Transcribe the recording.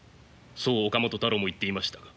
そう岡本太郎も言っていましたが。